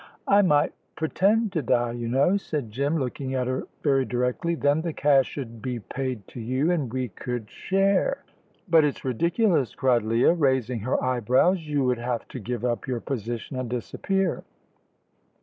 "I might pretend to die, you know," said Jim, looking at her very directly; "then the cash 'ud be paid to you, and we could share." "But it's ridiculous," cried Leah, raising her eyebrows; "you would have to give up your position and disappear."